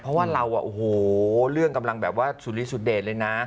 เพราะว่าเราโอ้โหเรื่องกำลังแบบว่าสุริสุเดชเลยนะ